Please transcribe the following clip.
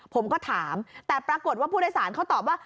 ผมก็ถามแต่ปรากฏว่าผู้โดยสารเขาตอบว่า